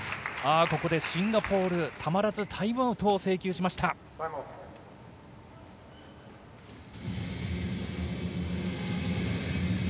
ここでシンガポールたまらず、タイムアウトを請求しました。